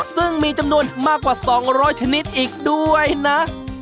ซึ่งมีจำนวนมากกว่า๒๐๐ชนิดอีกด้วยนะ